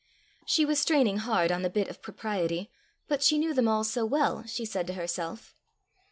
She was straining hard on the bit of propriety; but she knew them all so well! she said to herself.